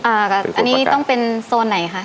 อันนี้ต้องเป็นโซนไหนคะ